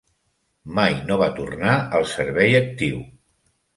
Mai no va tornar al servei actiu.